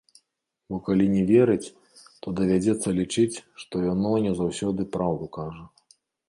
Бо калі не верыць, то давядзецца лічыць, што яно не заўсёды праўду кажа.